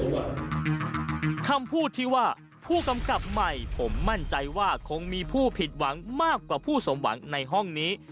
แต่ก็มีไม่น้อยที่ได้ที่ได้สมหวังคำพูดที่ว่าผู้กำกับใหม่ผมมั่นใจว่าคงมีผู้ผิดหวังมากกว่าผู้สมหวังในห้องนี้